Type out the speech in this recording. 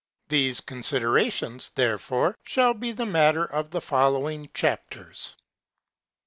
These considerations, therefore, shall be the matter of the following chapters.